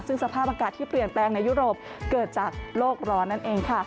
ซึ่งสภาพอากาศที่เปลี่ยนแปลงในยุโรปเกิดจากโลกร้อนนั่นเองค่ะ